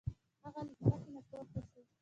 هغه له ځمکې نه پورته شو.